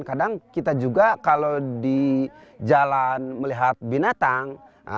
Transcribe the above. kadang kita juga kalau di jalan melihat binatang